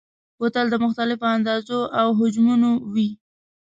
بوتل د مختلفو اندازو او حجمونو وي.